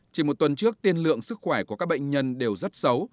chỉ một tuần trước tiên lượng sức khỏe của các bệnh nhân đều rất xấu